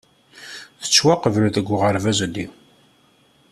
Tettwaqbel deg uɣerbaz-nni.